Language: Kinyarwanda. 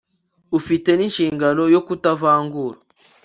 ufite n'inshingano yo kutavangura